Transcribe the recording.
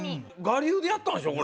我流でやったんでしょ？